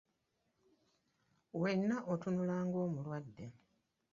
Wenna otunula ng'omulwadde.